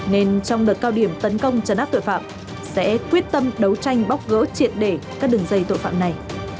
nên trong đợt cao điểm tấn công trấn áp tội phạm sẽ quyết tâm đấu tranh bóc gỡ triệt để các đường dây tội phạm này